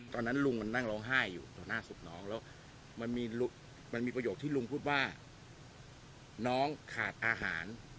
ตอนนั้นลุงมันนั่งร้องไห้อยู่ต่อหน้าศพน้องแล้วมันมีประโยคที่ลุงพูดว่าน้องขาดอาหาร